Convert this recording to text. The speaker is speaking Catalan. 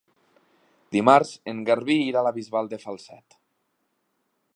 Dimarts en Garbí irà a la Bisbal de Falset.